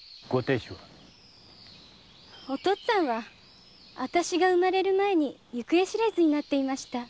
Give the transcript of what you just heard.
お父っつぁんは私が生まれる前に行方知れずになっていました。